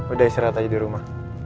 udah istirahat aja di rumah